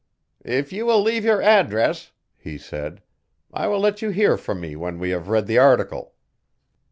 'If you will leave your address,' he said, 'I will let you hear from me when we have read the article.